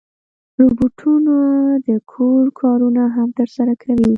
روبوټونه د کور کارونه هم ترسره کوي.